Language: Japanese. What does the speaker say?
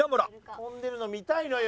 跳んでるの見たいのよ。